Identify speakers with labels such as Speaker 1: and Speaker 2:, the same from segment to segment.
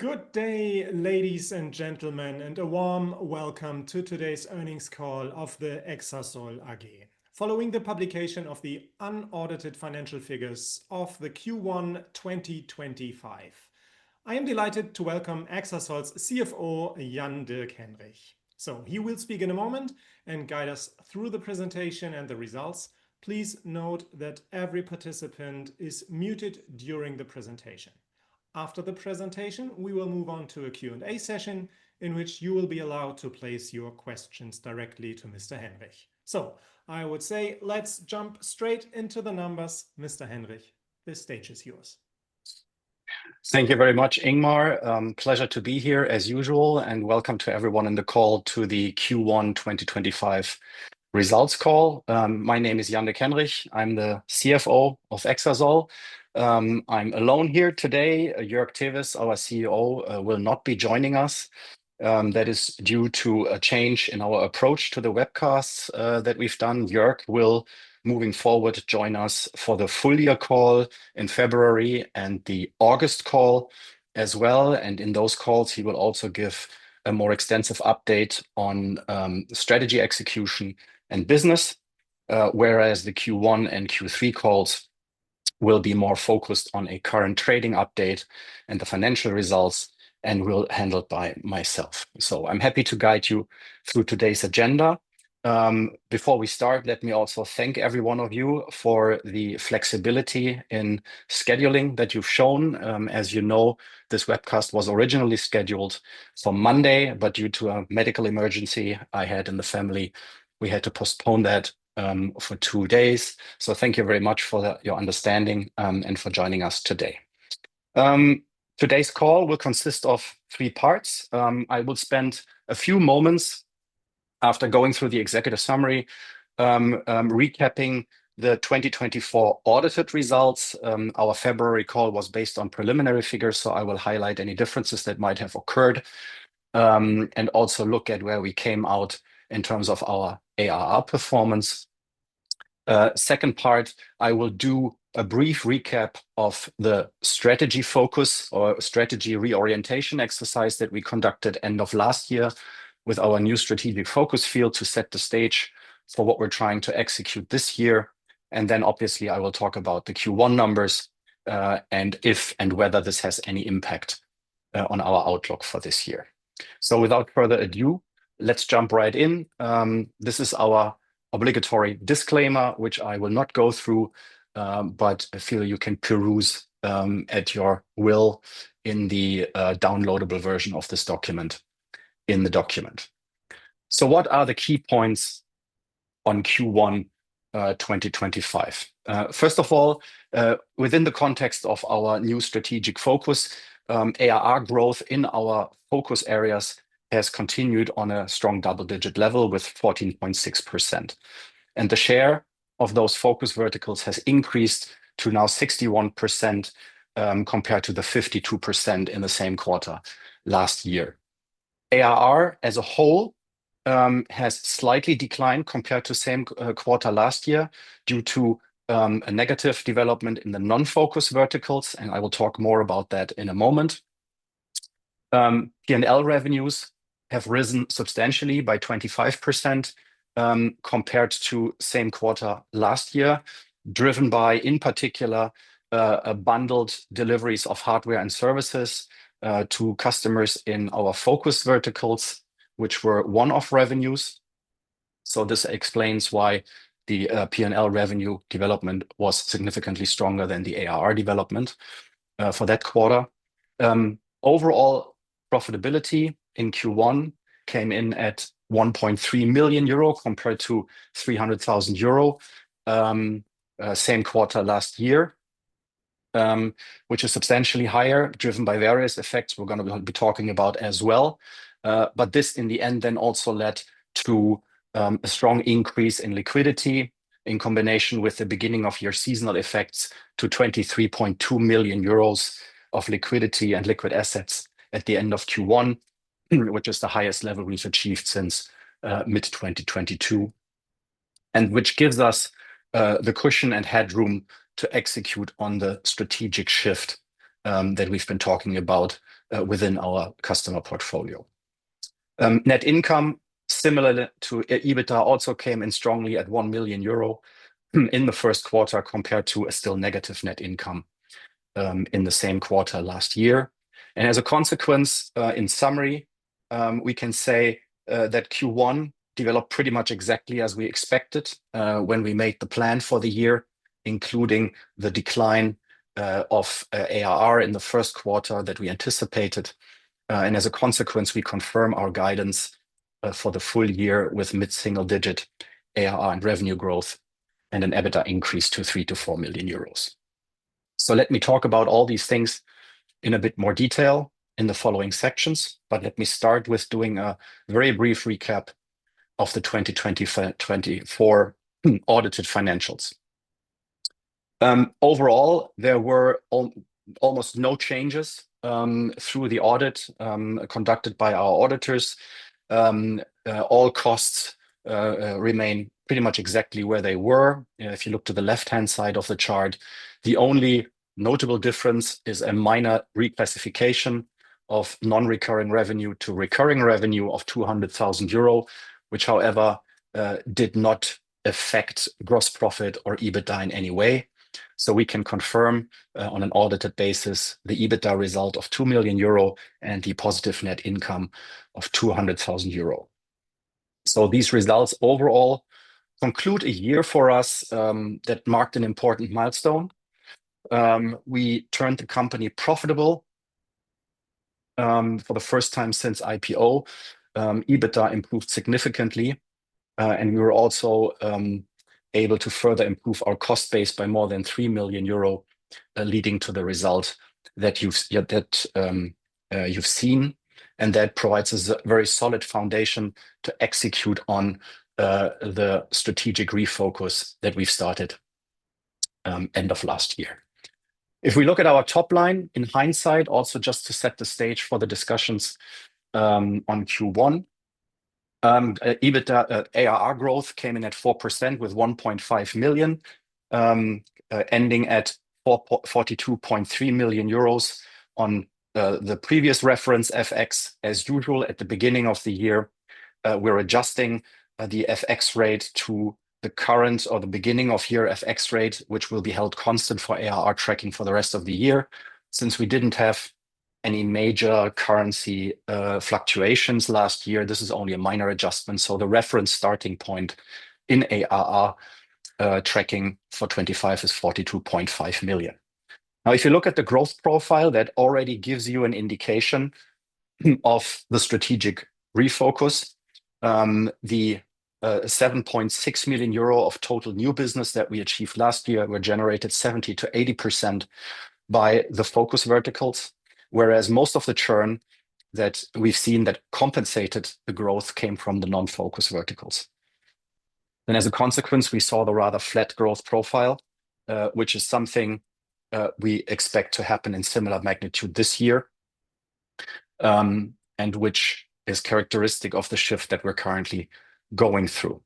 Speaker 1: Good day, ladies and gentlemen, and a warm welcome to today's earnings call of Exasol AG, following the publication of the unaudited financial figures of Q1 2025. I am delighted to welcome Exasol's CFO, Jan-Dirk Henrich. He will speak in a moment and guide us through the presentation and the results. Please note that every participant is muted during the presentation. After the presentation, we will move on to a Q&A session in which you will be allowed to place your questions directly to Mr. Henrich. I would say, let's jump straight into the numbers, Mr. Henrich. The stage is yours.
Speaker 2: Thank you very much, Ingmar. Pleasure to be here, as usual, and welcome to everyone in the call to the Q1 2025 results call. My name is Jan-Dirk Henrich. I'm the CFO of Exasol. I'm alone here today. Joerg Tewes, our CEO, will not be joining us. That is due to a change in our approach to the webcasts that we've done. Joerg will, moving forward, join us for the full year call in February and the August call as well. In those calls, he will also give a more extensive update on strategy execution and business, whereas the Q1 and Q3 calls will be more focused on a current trading update and the financial results and will be handled by myself. I'm happy to guide you through today's agenda. Before we start, let me also thank every one of you for the flexibility in scheduling that you've shown. As you know, this webcast was originally scheduled for Monday, but due to a medical emergency I had in the family, we had to postpone that for two days. Thank you very much for your understanding and for joining us today. Today's call will consist of three parts. I will spend a few moments, after going through the executive summary, recapping the 2024 audited results. Our February call was based on preliminary figures, so I will highlight any differences that might have occurred and also look at where we came out in terms of our ARR performance. Second part, I will do a brief recap of the strategy focus or strategy reorientation exercise that we conducted at the end of last year with our new strategic focus field to set the stage for what we're trying to execute this year. Obviously, I will talk about the Q1 numbers and if and whether this has any impact on our outlook for this year. Without further ado, let's jump right in. This is our obligatory disclaimer, which I will not go through, but I feel you can peruse at your will in the downloadable version of this document in the document. What are the key points on Q1 2025? First of all, within the context of our new strategic focus, ARR growth in our focus areas has continued on a strong double-digit level with 14.6%. The share of those focus verticals has increased to now 61% compared to the 52% in the same quarter last year. ARR as a whole has slightly declined compared to the same quarter last year due to a negative development in the non-focus verticals, and I will talk more about that in a moment. P&L revenues have risen substantially by 25% compared to the same quarter last year, driven by, in particular, bundled deliveries of hardware and services to customers in our focus verticals, which were one-off revenues. This explains why the P&L revenue development was significantly stronger than the ARR development for that quarter. Overall, profitability in Q1 came in at 1.3 million euro compared to 300,000 euro same quarter last year, which is substantially higher, driven by various effects we're going to be talking about as well. This, in the end, then also led to a strong increase in liquidity in combination with the beginning-of-year seasonal effects to 23.2 million euros of liquidity and liquid assets at the end of Q1, which is the highest level we've achieved since mid-2022, and which gives us the cushion and headroom to execute on the strategic shift that we've been talking about within our customer portfolio. Net income, similar to EBITDA, also came in strongly at 1 million euro in the first quarter compared to a still negative net income in the same quarter last year. As a consequence, in summary, we can say that Q1 developed pretty much exactly as we expected when we made the plan for the year, including the decline of ARR in the first quarter that we anticipated. As a consequence, we confirm our guidance for the full year with mid-single-digit ARR and revenue growth and an EBITDA increase to 3 million-4 million euros. Let me talk about all these things in a bit more detail in the following sections, but let me start with doing a very brief recap of the 2024 audited financials. Overall, there were almost no changes through the audit conducted by our auditors. All costs remain pretty much exactly where they were. If you look to the left-hand side of the chart, the only notable difference is a minor reclassification of non-recurring revenue to recurring revenue of 200,000 euro, which, however, did not affect gross profit or EBITDA in any way. We can confirm on an audited basis the EBITDA result of 2 million euro and the positive net income of 200,000 euro. These results overall conclude a year for us that marked an important milestone. We turned the company profitable for the first time since IPO. EBITDA improved significantly, and we were also able to further improve our cost base by more than 3 million euro, leading to the result that you've seen. That provides a very solid foundation to execute on the strategic refocus that we've started at the end of last year. If we look at our top line in hindsight, also just to set the stage for the discussions on Q1, EBITDA ARR growth came in at 4% with 1.5 million, ending at 42.3 million euros on the previous reference FX. As usual, at the beginning of the year, we're adjusting the FX rate to the current or the beginning-of-year FX rate, which will be held constant for ARR tracking for the rest of the year. Since we didn't have any major currency fluctuations last year, this is only a minor adjustment. The reference starting point in ARR tracking for 2025 is 42.5 million. Now, if you look at the growth profile, that already gives you an indication of the strategic refocus. The 7.6 million euro of total new business that we achieved last year were generated 70%-80% by the focus verticals, whereas most of the churn that we've seen that compensated the growth came from the non-focus verticals. As a consequence, we saw the rather flat growth profile, which is something we expect to happen in similar magnitude this year and which is characteristic of the shift that we're currently going through.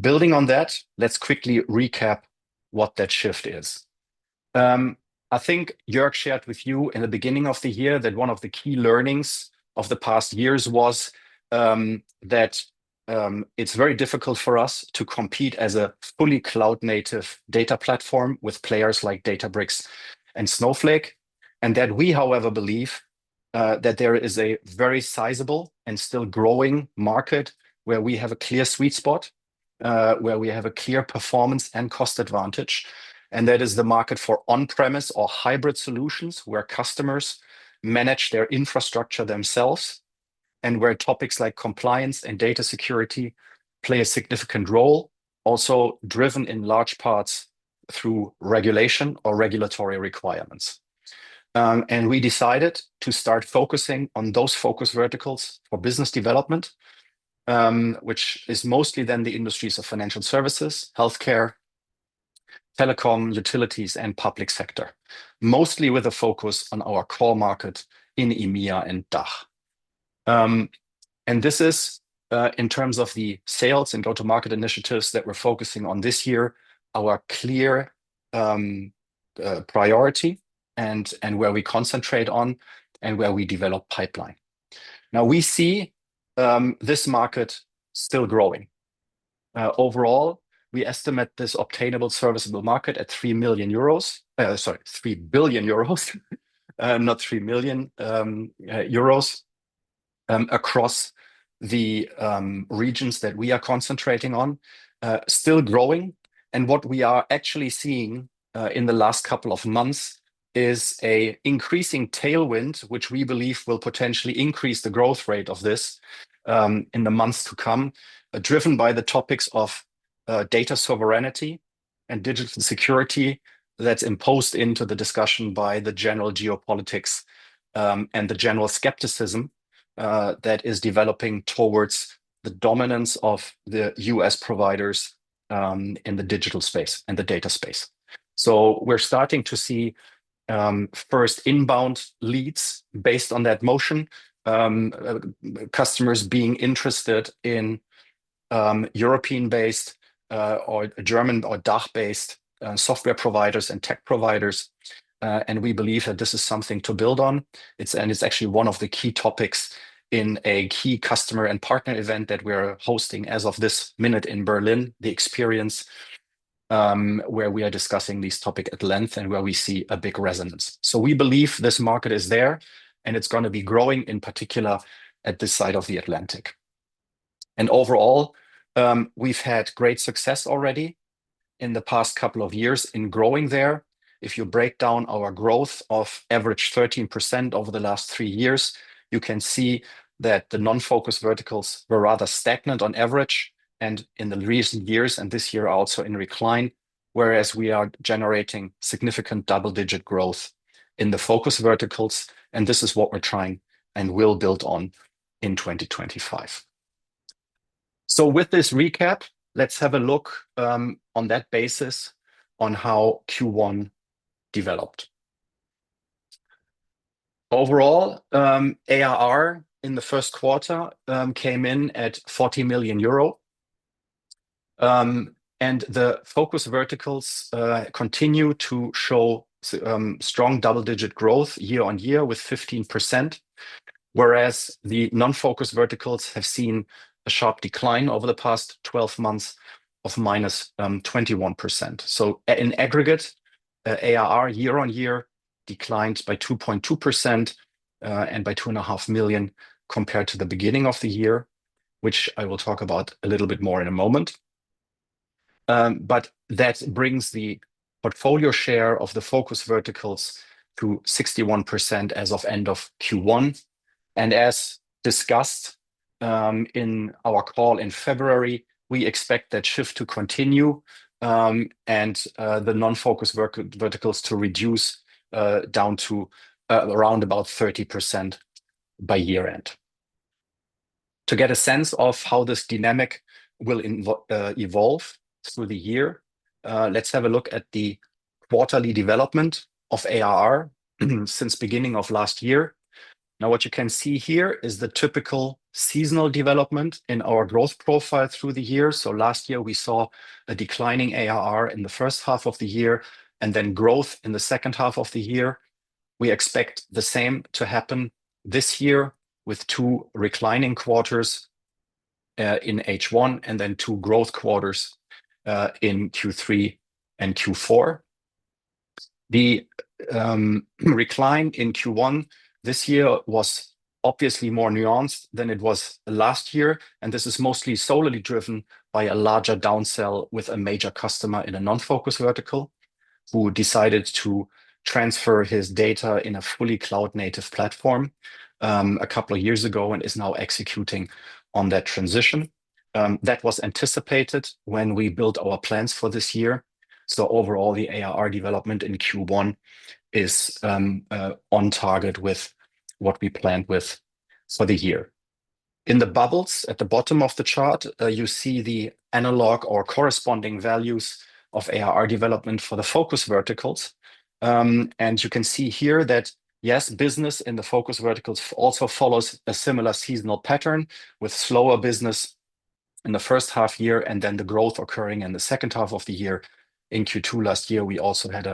Speaker 2: Building on that, let's quickly recap what that shift is. I think Joerg shared with you in the beginning of the year that one of the key learnings of the past years was that it's very difficult for us to compete as a fully cloud-native data platform with players like Databricks and Snowflake, and that we, however, believe that there is a very sizable and still growing market where we have a clear sweet spot, where we have a clear performance and cost advantage. That is the market for on-premise or hybrid solutions where customers manage their infrastructure themselves and where topics like compliance and data security play a significant role, also driven in large parts through regulation or regulatory requirements. We decided to start focusing on those focus verticals for business development, which is mostly then the industries of financial services, healthcare, telecom, utilities, and public sector, mostly with a focus on our core market in EMEA and DACH. This is, in terms of the sales and go-to-market initiatives that we're focusing on this year, our clear priority and where we concentrate on and where we develop pipeline. Now, we see this market still growing. Overall, we estimate this obtainable serviceable market at 3 billion euros, not 3 million, across the regions that we are concentrating on, still growing. What we are actually seeing in the last couple of months is an increasing tailwind, which we believe will potentially increase the growth rate of this in the months to come, driven by the topics of data sovereignty and digital security that's imposed into the discussion by the general geopolitics and the general skepticism that is developing towards the dominance of the U.S. providers in the digital space and the data space. We're starting to see first inbound leads based on that motion, customers being interested in European-based or German or DACH-based software providers and tech providers. We believe that this is something to build on. It's actually one of the key topics in a key customer and partner event that we're hosting as of this minute in Berlin, the experience where we are discussing these topics at length and where we see a big resonance. We believe this market is there, and it's going to be growing, in particular at this side of the Atlantic. Overall, we've had great success already in the past couple of years in growing there. If you break down our growth of average 13% over the last three years, you can see that the non-focus verticals were rather stagnant on average in the recent years and this year also in decline, whereas we are generating significant double-digit growth in the focus verticals. This is what we're trying and will build on in 2025. With this recap, let's have a look on that basis on how Q1 developed. Overall, ARR in the first quarter came in at 40 million euro, and the focus verticals continue to show strong double-digit growth year-on-year with 15%, whereas the non-focus verticals have seen a sharp decline over the past 12 months of -21%. In aggregate, ARR year-on-year declined by 2.2% and by 2.5 million compared to the beginning of the year, which I will talk about a little bit more in a moment. That brings the portfolio share of the focus verticals to 61% as of end of Q1. As discussed in our call in February, we expect that shift to continue and the non-focus verticals to reduce down to around about 30% by year-end. To get a sense of how this dynamic will evolve through the year, let's have a look at the quarterly development of ARR since the beginning of last year. Now, what you can see here is the typical seasonal development in our growth profile through the year. Last year, we saw a declining ARR in the first half of the year and then growth in the second half of the year. We expect the same to happen this year with two declining quarters in H1 and then two growth quarters in Q3 and Q4. The recline in Q1 this year was obviously more nuanced than it was last year, and this is mostly solely driven by a larger downsell with a major customer in a non-focus vertical who decided to transfer his data in a fully cloud-native platform a couple of years ago and is now executing on that transition. That was anticipated when we built our plans for this year. Overall, the ARR development in Q1 is on target with what we planned for the year. In the bubbles at the bottom of the chart, you see the analog or corresponding values of ARR development for the focus verticals. You can see here that, yes, business in the focus verticals also follows a similar seasonal pattern with slower business in the first half year and then the growth occurring in the second half of the year. In Q2 last year, we also had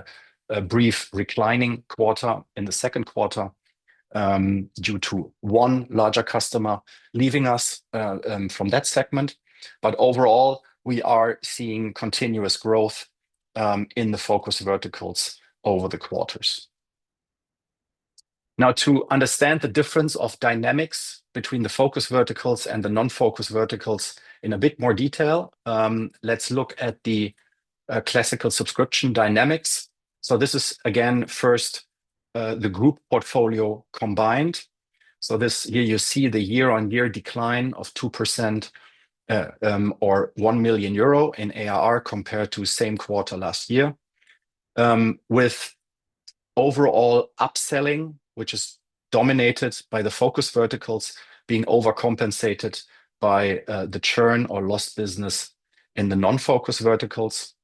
Speaker 2: a brief reclining quarter in the second quarter due to one larger customer leaving us from that segment. Overall, we are seeing continuous growth in the focus verticals over the quarters. Now, to understand the difference of dynamics between the focus verticals and the non-focus verticals in a bit more detail, let's look at the classical subscription dynamics. This is, again, first the group portfolio combined. Here you see the year-on-year decline of 2% or 1 million euro in ARR compared to the same quarter last year, with overall upselling, which is dominated by the focus verticals, being overcompensated by the churn or lost business in the non-focus verticals.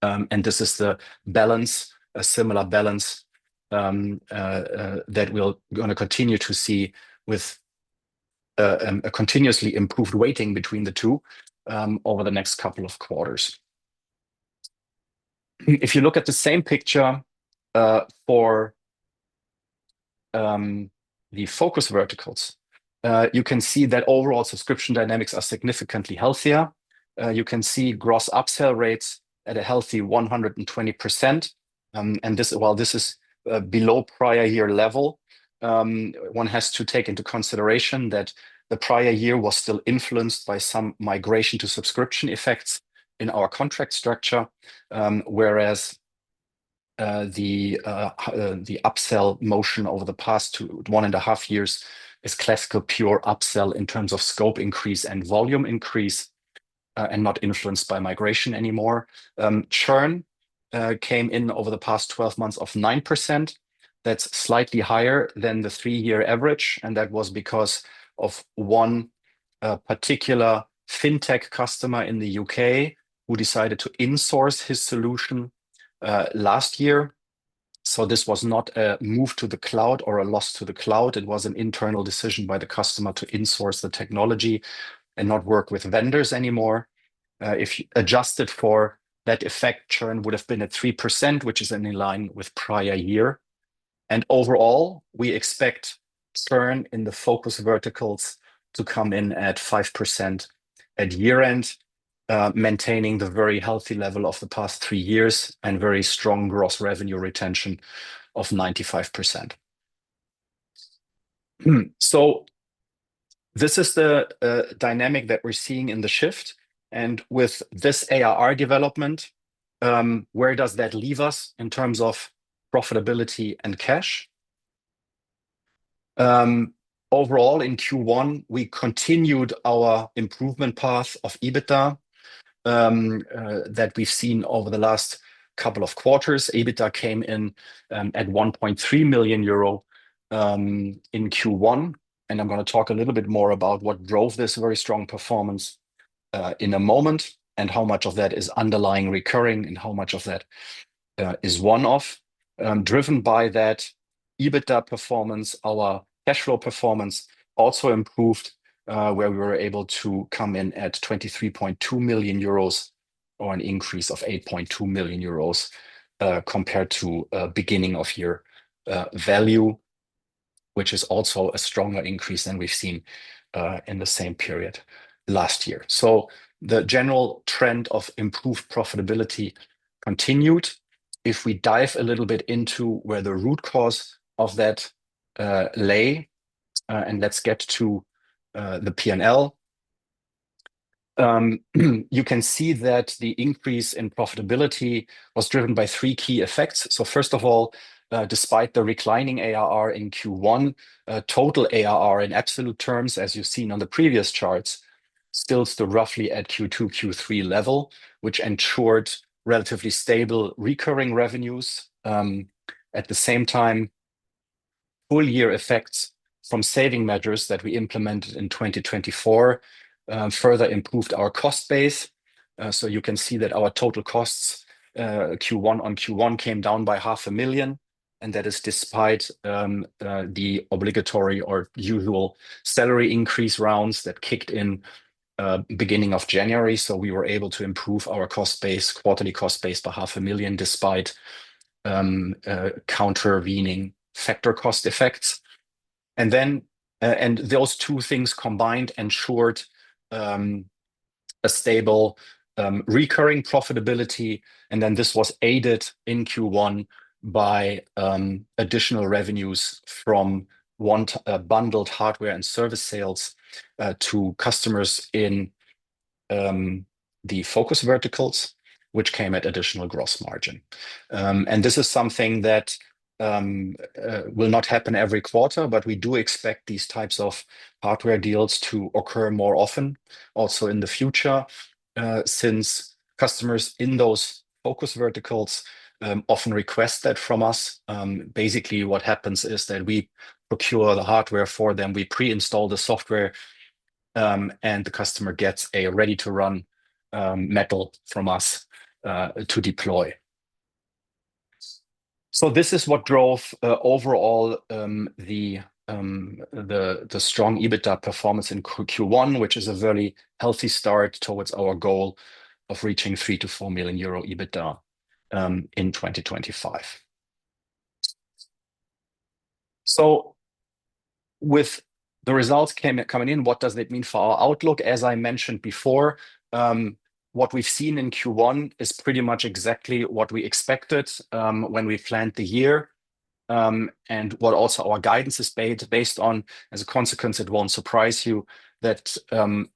Speaker 2: This is a similar balance that we're going to continue to see with a continuously improved weighting between the two over the next couple of quarters. If you look at the same picture for the focus verticals, you can see that overall subscription dynamics are significantly healthier. You can see gross upsell rates at a healthy 120%. While this is below prior year level, one has to take into consideration that the prior year was still influenced by some migration to subscription effects in our contract structure, whereas the upsell motion over the past one and a half years is classical pure upsell in terms of scope increase and volume increase and not influenced by migration anymore. Churn came in over the past 12 months of 9%. That's slightly higher than the three-year average, and that was because of one particular FinTech customer in the U.K. who decided to insource his solution last year. This was not a move to the cloud or a loss to the cloud. It was an internal decision by the customer to insource the technology and not work with vendors anymore. If adjusted for that effect, churn would have been at 3%, which is in line with prior year. Overall, we expect churn in the focus verticals to come in at 5% at year-end, maintaining the very healthy level of the past three years and very strong gross revenue retention of 95%. This is the dynamic that we're seeing in the shift. With this ARR development, where does that leave us in terms of profitability and cash? Overall, in Q1, we continued our improvement path of EBITDA that we've seen over the last couple of quarters. EBITDA came in at 1.3 million euro in Q1. I'm going to talk a little bit more about what drove this very strong performance in a moment and how much of that is underlying recurring and how much of that is one-off. Driven by that EBITDA performance, our cash flow performance also improved, where we were able to come in at 23.2 million euros or an increase of 8.2 million euros compared to beginning-of-year value, which is also a stronger increase than we've seen in the same period last year. The general trend of improved profitability continued. If we dive a little bit into where the root cause of that lay, and let's get to the P&L, you can see that the increase in profitability was driven by three key effects. First of all, despite the declining ARR in Q1, total ARR in absolute terms, as you have seen on the previous charts, still stood roughly at Q2-Q3 level, which ensured relatively stable recurring revenues. At the same time, full-year effects from saving measures that we implemented in 2024 further improved our cost base. You can see that our total costs Q1 on Q1 came down by 500,000, and that is despite the obligatory or usual salary increase rounds that kicked in beginning of January. We were able to improve our cost base, quarterly cost base, by 500,000 despite countervening factor cost effects. Those two things combined ensured a stable recurring profitability. This was aided in Q1 by additional revenues from bundled hardware and service sales to customers in the focus verticals, which came at additional gross margin. This is something that will not happen every quarter, but we do expect these types of hardware deals to occur more often also in the future, since customers in those focus verticals often request that from us. Basically, what happens is that we procure the hardware for them, we pre-install the software, and the customer gets a ready-to-run metal from us to deploy. This is what drove overall the strong EBITDA performance in Q1, which is a very healthy start towards our goal of reaching 3 million-4 million euro EBITDA in 2025. With the results coming in, what does it mean for our outlook? As I mentioned before, what we've seen in Q1 is pretty much exactly what we expected when we planned the year. What also our guidance is based on, as a consequence, it won't surprise you, that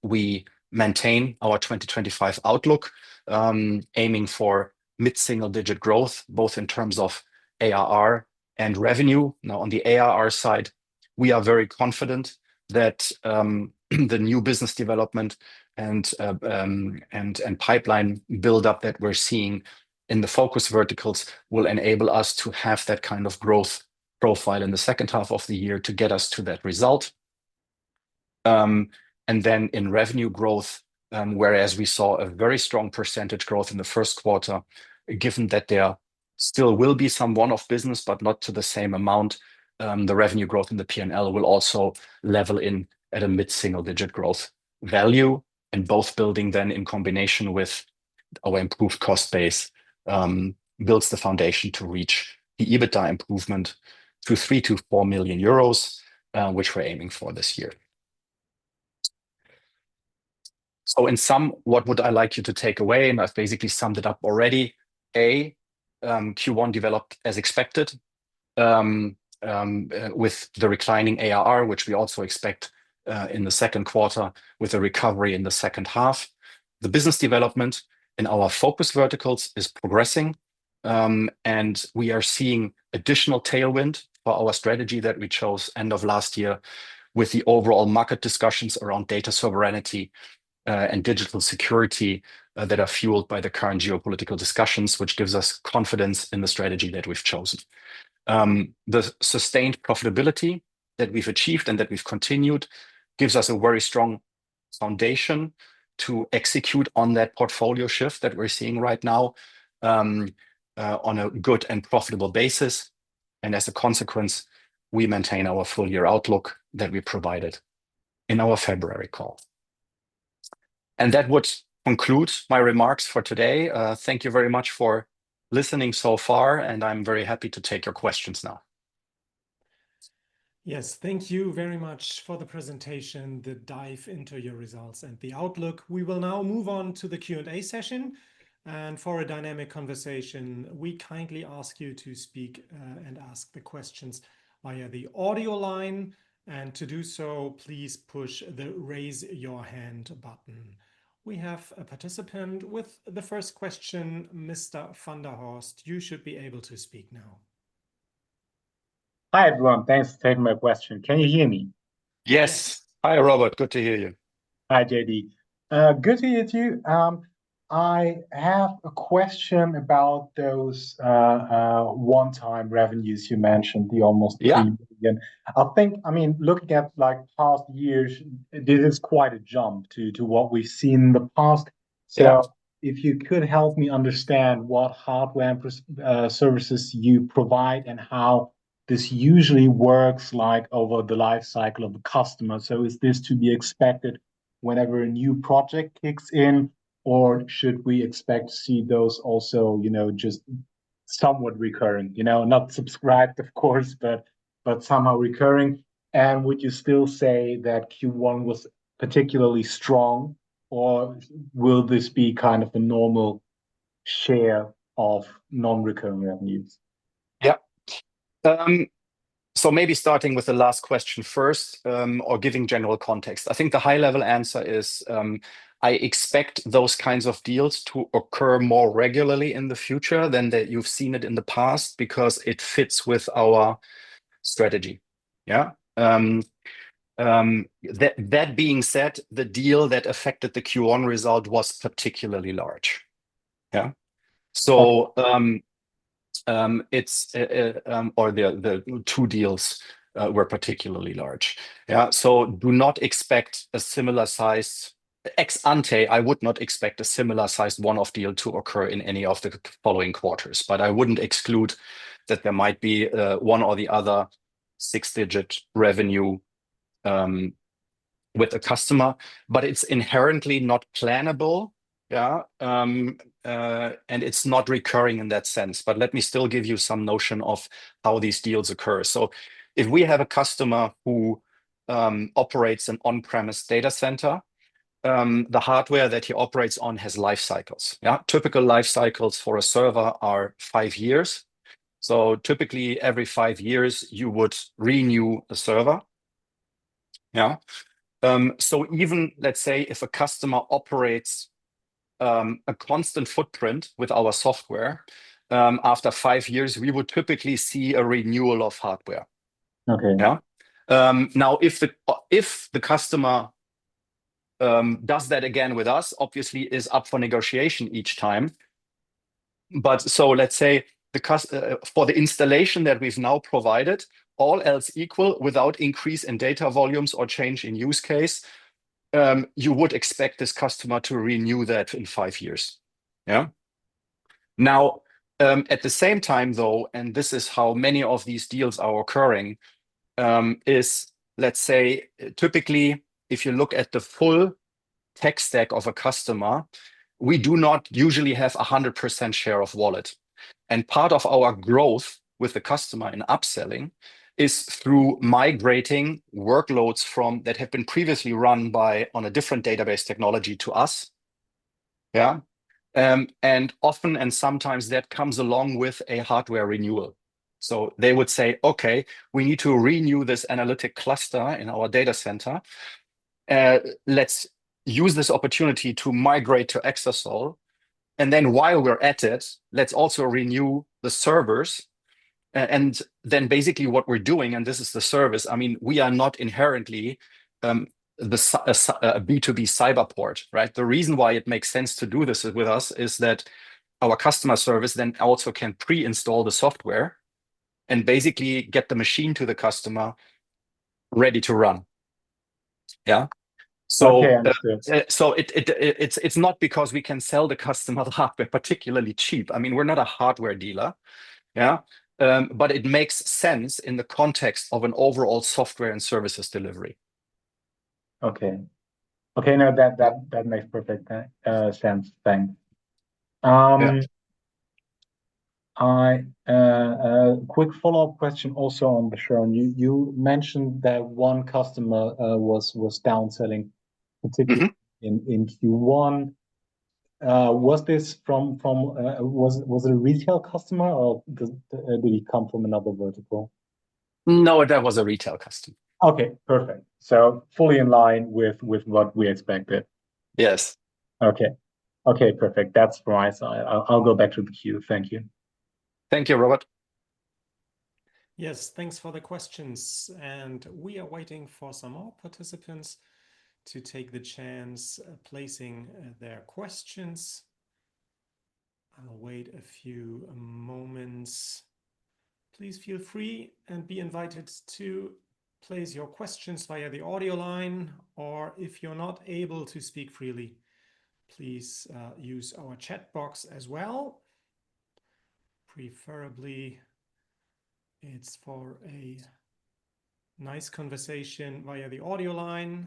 Speaker 2: we maintain our 2025 outlook, aiming for mid-single-digit growth both in terms of ARR and revenue. Now, on the ARR side, we are very confident that the new business development and pipeline build-up that we're seeing in the focus verticals will enable us to have that kind of growth profile in the second half of the year to get us to that result. In revenue growth, whereas we saw a very strong % growth in the first quarter, given that there still will be some one-off business, but not to the same amount, the revenue growth in the P&L will also level in at a mid-single-digit growth value. Both building then in combination with our improved cost base builds the foundation to reach the EBITDA improvement to 3 million-4 million euros, which we're aiming for this year. In sum, what would I like you to take away? I've basically summed it up already. A, Q1 developed as expected with the reclining ARR, which we also expect in the second quarter with a recovery in the second half. The business development in our focus verticals is progressing, and we are seeing additional tailwind for our strategy that we chose end of last year with the overall market discussions around data sovereignty and digital security that are fueled by the current geopolitical discussions, which gives us confidence in the strategy that we've chosen. The sustained profitability that we've achieved and that we've continued gives us a very strong foundation to execute on that portfolio shift that we're seeing right now on a good and profitable basis. As a consequence, we maintain our full-year outlook that we provided in our February call. That would conclude my remarks for today. Thank you very much for listening so far, and I'm very happy to take your questions now.
Speaker 1: Yes, thank you very much for the presentation, the dive into your results and the outlook. We will now move on to the Q&A session. For a dynamic conversation, we kindly ask you to speak and ask the questions via the audio line. To do so, please push the raise your hand button. We have a participant with the first question, Mr. Van der Horst. You should be able to speak now.
Speaker 3: Hi everyone, thanks for taking my question. Can you hear me?
Speaker 2: Yes. Hi Robert, good to hear you.
Speaker 3: Hi JD. Good to hear you. I have a question about those one-time revenues you mentioned, the almost 3 million. I think, I mean, looking at past years, this is quite a jump to what we've seen in the past. If you could help me understand what hardware and services you provide and how this usually works over the lifecycle of the customer. Is this to be expected whenever a new project kicks in, or should we expect to see those also just somewhat recurring? Not subscribed, of course, but somehow recurring. Would you still say that Q1 was particularly strong, or will this be kind of the normal share of non-recurring revenues?
Speaker 2: Yeah. Maybe starting with the last question first or giving general context. I think the high-level answer is I expect those kinds of deals to occur more regularly in the future than that you've seen it in the past because it fits with our strategy. That being said, the deal that affected the Q1 result was particularly large. Or the two deals were particularly large. Do not expect a similar size ex ante. I would not expect a similar size one-off deal to occur in any of the following quarters, but I would not exclude that there might be one or the other six-digit revenue with a customer. It is inherently not plannable, and it is not recurring in that sense. Let me still give you some notion of how these deals occur. If we have a customer who operates an on-premise data center, the hardware that he operates on has life cycles. Typical life cycles for a server are five years. Typically, every five years, you would renew the server. Even let's say if a customer operates a constant footprint with our software, after five years, we would typically see a renewal of hardware. Now, if the customer does that again with us, obviously, it is up for negotiation each time. Let's say for the installation that we've now provided, all else equal without increase in data volumes or change in use case, you would expect this customer to renew that in five years. Now, at the same time though, and this is how many of these deals are occurring, is let's say typically if you look at the full tech stack of a customer, we do not usually have a 100% share of wallet. Part of our growth with the customer in upselling is through migrating workloads that have been previously run on a different database technology to us. Often and sometimes that comes along with a hardware renewal. They would say, "Okay, we need to renew this analytic cluster in our data center. Let's use this opportunity to migrate to Exasol." While we're at it, let's also renew the servers. Basically what we're doing, and this is the service, I mean, we are not inherently a B2B cyber port. The reason why it makes sense to do this with us is that our customer service then also can pre-install the software and basically get the machine to the customer ready to run. It's not because we can sell the customer the hardware particularly cheap. I mean, we're not a hardware dealer, but it makes sense in the context of an overall software and services delivery.
Speaker 3: Okay. That makes perfect sense. Thanks. A quick follow-up question also on the show. You mentioned that one customer was downselling in Q1. Was this from, was it a retail customer or did it come from another vertical?
Speaker 2: No, that was a retail customer.
Speaker 3: Okay. Perfect. Fully in line with what we expected.
Speaker 2: Yes.
Speaker 3: Okay. Perfect. That's right. I'll go back to the queue. Thank you.
Speaker 2: Thank you, Robert.
Speaker 1: Yes. Thanks for the questions. We are waiting for some more participants to take the chance placing their questions. I'll wait a few moments. Please feel free and be invited to place your questions via the audio line, or if you're not able to speak freely, please use our chat box as well. Preferably, it's for a nice conversation via the audio line.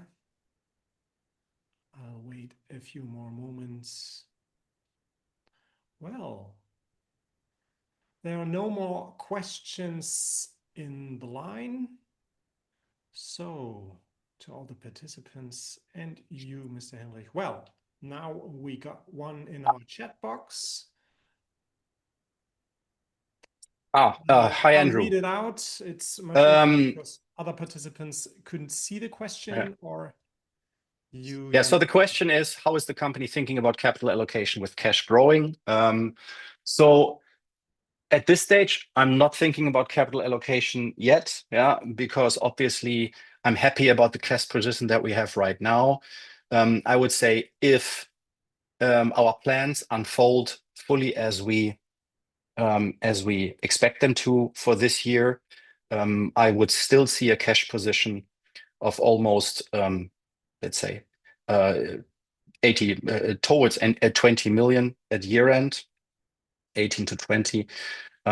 Speaker 1: I'll wait a few more moments. There are no more questions in the line. To all the participants and you, Mr. Henrich. Now we got one in our chat box. Oh, hi, Andrew. Did it out. My other participants could not see the question or you.
Speaker 2: Yeah. The question is, how is the company thinking about capital allocation with cash growing? At this stage, I am not thinking about capital allocation yet because obviously I am happy about the cash position that we have right now. I would say if our plans unfold fully as we expect them to for this year, I would still see a cash position of almost, let us say, 18 milliom-EUR 20 million at year-end, 18 milliom-EUR 20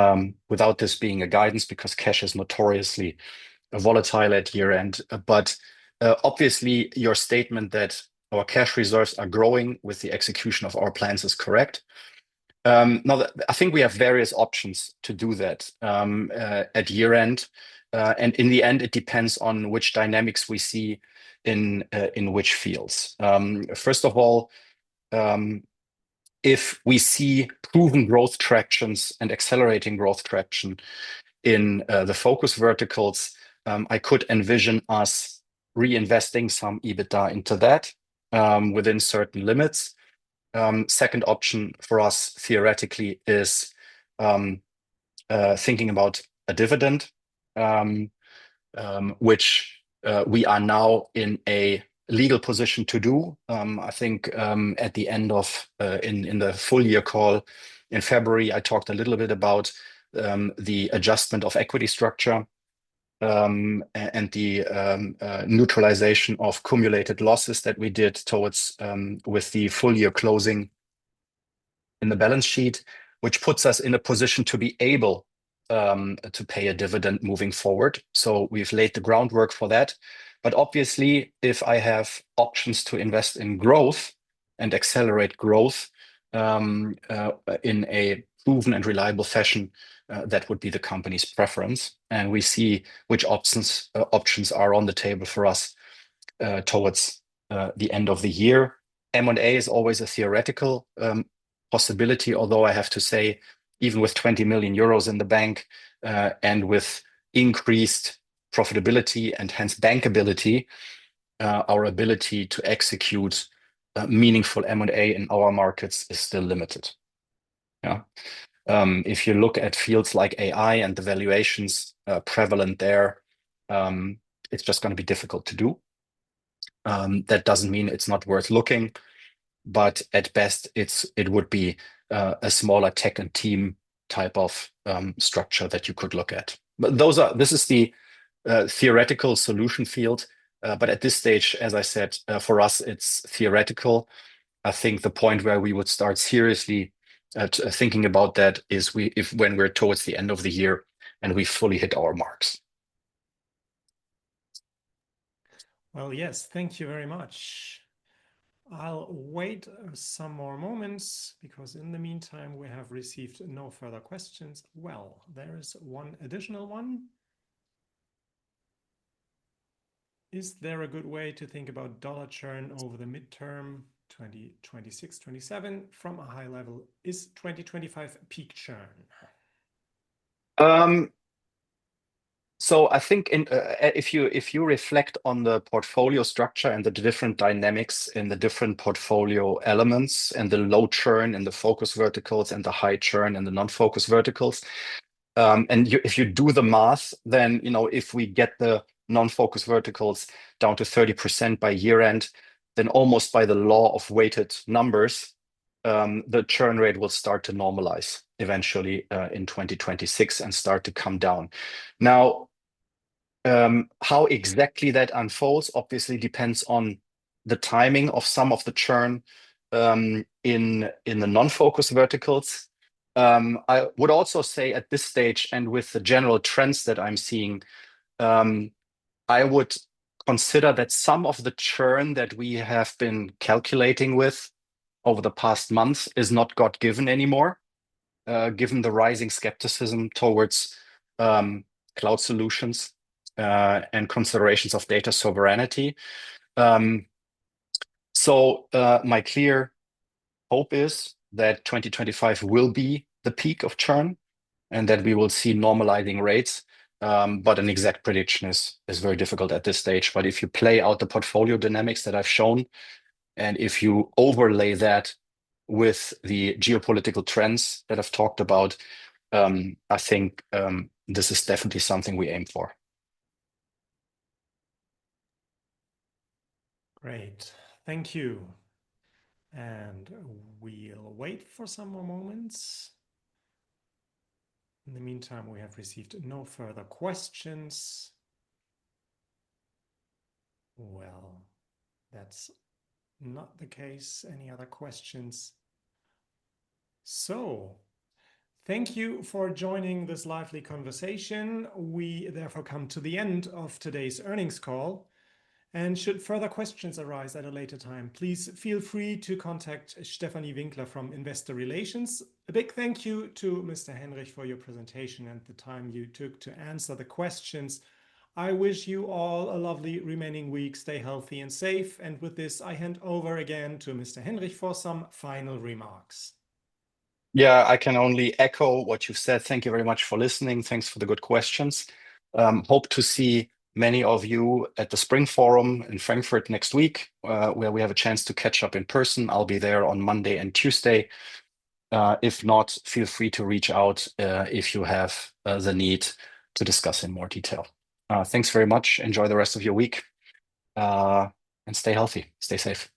Speaker 2: million, without this being a guidance because cash is notoriously volatile at year-end. Obviously, your statement that our cash reserves are growing with the execution of our plans is correct. I think we have various options to do that at year-end. In the end, it depends on which dynamics we see in which fields. First of all, if we see proven growth tractions and accelerating growth traction in the focus verticals, I could envision us reinvesting some EBITDA into that within certain limits. Second option for us theoretically is thinking about a dividend, which we are now in a legal position to do. I think at the end of in the full-year call in February, I talked a little bit about the adjustment of equity structure and the neutralization of cumulated losses that we did towards with the full-year closing in the balance sheet, which puts us in a position to be able to pay a dividend moving forward. We have laid the groundwork for that. Obviously, if I have options to invest in growth and accelerate growth in a proven and reliable fashion, that would be the company's preference. We see which options are on the table for us towards the end of the year. M&A is always a theoretical possibility, although I have to say, even with 20 million euros in the bank and with increased profitability and hence bankability, our ability to execute meaningful M&A in our markets is still limited. If you look at fields like AI and the valuations prevalent there, it's just going to be difficult to do. That does not mean it's not worth looking, but at best, it would be a smaller tech and team type of structure that you could look at. This is the theoretical solution field. At this stage, as I said, for us, it's theoretical. I think the point where we would start seriously thinking about that is when we're towards the end of the year and we fully hit our marks.
Speaker 1: Yes, thank you very much. I'll wait some more moments because in the meantime, we have received no further questions. There is one additional one. Is there a good way to think about dollar churn over the midterm 2026-2027 from a high level? Is 2025 peak churn?
Speaker 2: I think if you reflect on the portfolio structure and the different dynamics in the different portfolio elements and the low churn in the focus verticals and the high churn in the non-focus verticals, if you do the math, then if we get the non-focus verticals down to 30% by year-end, then almost by the law of weighted numbers, the churn rate will start to normalize eventually in 2026 and start to come down. Now, how exactly that unfolds obviously depends on the timing of some of the churn in the non-focus verticals. I would also say at this stage and with the general trends that I'm seeing, I would consider that some of the churn that we have been calculating with over the past months is not God-given anymore, given the rising skepticism towards cloud solutions and considerations of data sovereignty. My clear hope is that 2025 will be the peak of churn and that we will see normalizing rates. An exact prediction is very difficult at this stage. If you play out the portfolio dynamics that I've shown and if you overlay that with the geopolitical trends that I've talked about, I think this is definitely something we aim for.
Speaker 1: Great. Thank you. We'll wait for some more moments. In the meantime, we have received no further questions. That's not the case. Any other questions? Thank you for joining this lively conversation. We therefore come to the end of today's earnings call. Should further questions arise at a later time, please feel free to contact Stephanie Winkler from Investor Relations. A big thank you to Mr. Henrich for your presentation and the time you took to answer the questions. I wish you all a lovely remaining week. Stay healthy and safe. With this, I hand over again to Mr. Henrich for some final remarks.
Speaker 2: Yeah, I can only echo what you've said. Thank you very much for listening. Thanks for the good questions. Hope to see many of you at the Spring Forum in Frankfurt next week where we have a chance to catch up in person. I'll be there on Monday and Tuesday. If not, feel free to reach out if you have the need to discuss in more detail. Thanks very much. Enjoy the rest of your week and stay healthy. Stay safe. Bye-bye.